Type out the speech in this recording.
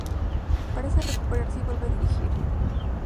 Parece recuperarse y vuelve a dirigir.